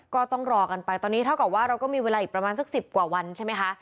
ก็ต้องรอกันไปตอนนี้เท่ากับว่าเราก็มีเวลาอีกประมาณสัก๑๐กว่าวันใช่ไหมคะ